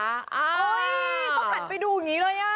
ต้องหันไปดูอย่างนี้เลย